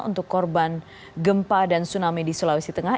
untuk korban gempa dan tsunami di sulawesi tengah